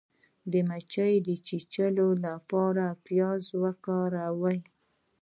د مچۍ د چیچلو لپاره پیاز وکاروئ